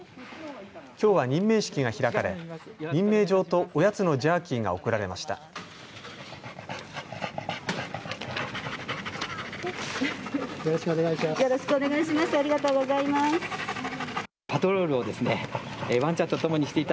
きょうは任命式が開かれ任命状とおやつのジャーキーが贈られました。